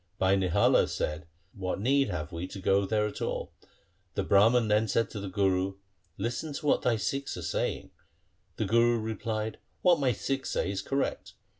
Bhai Nihala said, ' What need have we to go there at all ?' The Brahman then said to the Guru, ' Listen to what thy Sikhs are saying.' The Guru replied, ' What my Sikhs say is correct.